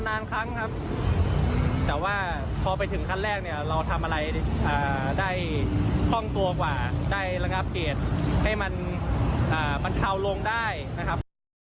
นานครั้งครับแต่ว่าพอไปถึงขั้นแรกเนี่ยเราทำอะไรได้คล่องตัวกว่าได้ระงับเหตุให้มันบรรเทาลงได้นะครับ